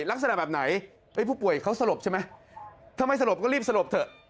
ลักษณะแบบไหนผู้ป่วยเขาสลบใช่ไหมถ้าไม่สลบก็รีบสลบเถอะ